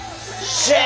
シェー！